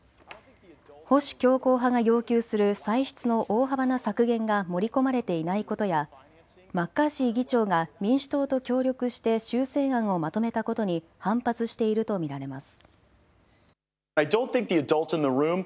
保守強硬派が要求する歳出の大幅な削減が盛り込まれていないことやマッカーシー議長が民主党と協力して修正案をまとめたことに反発していると見られます。